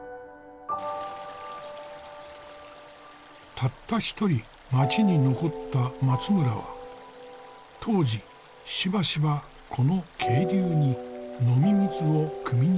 たった一人町に残った松村は当時しばしばこの渓流に飲み水をくみに通った。